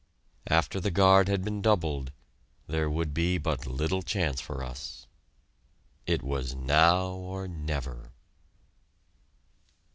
After the guard had been doubled, there would be but little chance for us. It was now or never!